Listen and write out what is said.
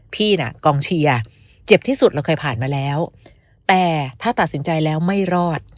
พี่น่ะกองเชียร์เจ็บที่สุดเราเคยผ่านมาแล้วแต่ถ้าตัดสินใจแล้วไม่รอด